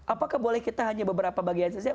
apakah boleh kita hanya beberapa bagian saja